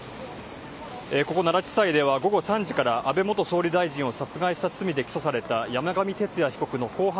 ここなら地裁では３時から安倍元総理大臣を殺害した罪で起訴された山上徹也被告の公判